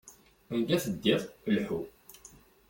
Anga teddiḍ, lḥu.